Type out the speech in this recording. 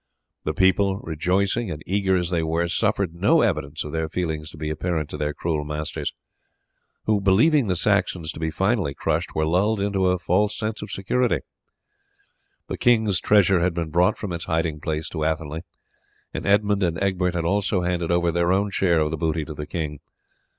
The people, rejoicing and eager as they were, suffered no evidence of their feelings to be apparent to their cruel masters, who, believing the Saxons to be finally crushed, were lulled into a false security. The king's treasure had been brought from its hiding place to Athelney, and Edmund and Egbert had also handed over their own share of the booty to the king.